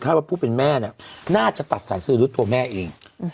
ถ้าว่าผู้เป็นแม่เนี่ยน่าจะตัดสายซื้อด้วยตัวแม่เอง